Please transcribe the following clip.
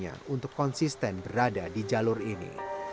dan memujinya untuk konsisten berada di jalur ini